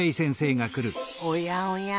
おやおや。